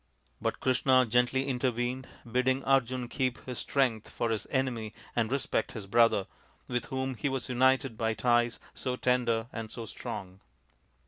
But Krishna gently intervened, bidding Arjun keep his strength for his enemy and respect his brother, with whom he was united by ties so tender and so strong.